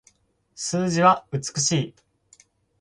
数字は美しい